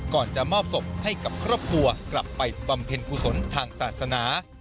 ก่อนจะมอบศพให้กับครอบครัวกลับไปบำเพ็ญกุศลทางศาสนา